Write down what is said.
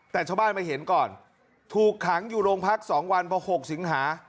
แต่ชาวบ้านมาเห็นก่อนถูกขังอยู่โรงพัก๒วันพอ๖สิงหา